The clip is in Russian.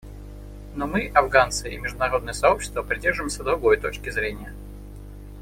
Но мы, афганцы, и международное сообщество придерживаемся другой точки зрения.